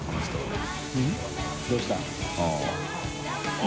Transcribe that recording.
どうした。